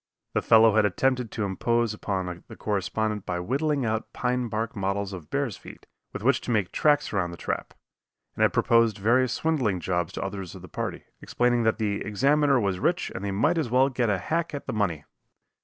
The fellow had attempted to impose upon the correspondent by whittling out pine bark models of bear's feet, with which to make tracks around the trap; and had proposed various swindling jobs to others of the party, explaining that the "Examiner was rich and they might as well get a hack at the money."